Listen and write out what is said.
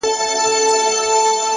حوصله د ستونزو دروازه پرانیزي،